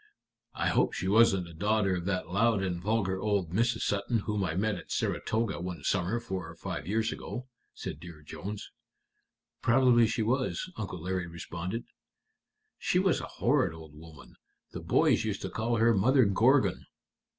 "I hope she wasn't a daughter of that loud and vulgar old Mrs. Sutton whom I met at Saratoga one summer four or five years ago?" said Dear Jones. "Probably she was," Uncle Larry responded. "She was a horrid old woman. The boys used to call her Mother Gorgon."